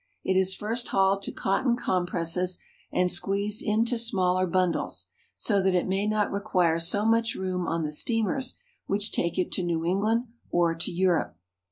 It is first hauled to cotton compresses and squeezed into smaller bundles, so that it may not require so much room on the steamers which take it to New England or to Europe.